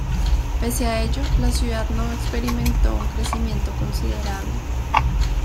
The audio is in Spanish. Pese a ello, la ciudad no experimentó un crecimiento considerable.